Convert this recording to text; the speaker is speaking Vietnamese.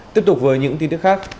tiếp tục với những tin tức khác